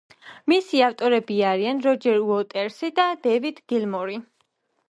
მისი ავტორები არიან როჯერ უოტერსი და დეივიდ გილმორი.